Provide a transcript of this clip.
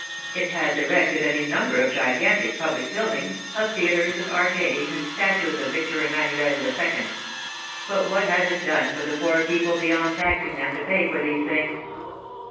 It has erected any number of gigantic public buildings, of theatres and arcades and statues of Victor Emmanuel II; but what has it done for the poor people beyond taxing them to pay for these things?